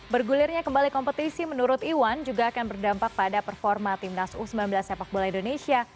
bergulirnya kembali kompetisi menurut iwan juga akan berdampak pada performa timnas u sembilan belas sepak bola indonesia